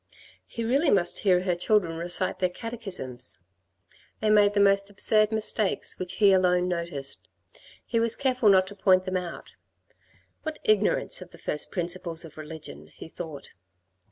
He really must hear her children recite their catechisms. They made the most absurd 148 THE RED AND THE BLACK mistakes which he alone noticed. He was careful not to point them out. " What ignorance of the first principles of religion," he thought.